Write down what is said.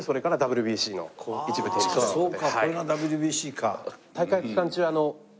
そうかこれがＷＢＣか。